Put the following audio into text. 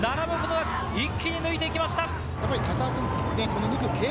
一気に抜いていきました。